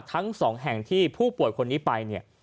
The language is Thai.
ทั้ง๒แห่งที่ผู้ป่วยคนนี้ไป